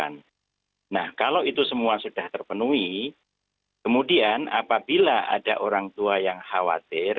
nah kalau itu semua sudah terpenuhi kemudian apabila ada orang tua yang khawatir